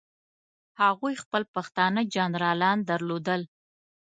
هغوی خپل پښتانه جنرالان درلودل.